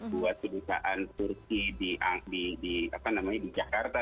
buat kedutaan turki di jakarta